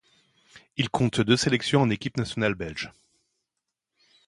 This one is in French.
Il compte deux sélections en équipe nationale belge.